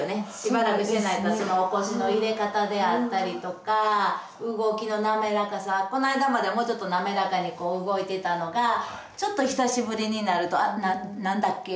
腰の入れ方であったりとか動きの滑らかさこないだまでもうちょっと滑らかに動いてたのがちょっと久しぶりになると何だっけ？